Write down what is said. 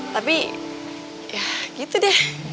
tapi ya gitu deh